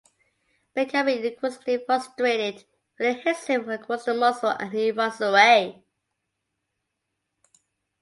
Becoming increasingly frustrated, Willie hits him across the muzzle and he runs away.